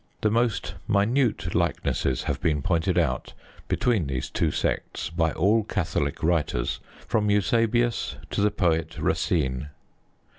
The most minute likenesses have been pointed out between these two sects by all Catholic writers from Eusebius to the poet Racine...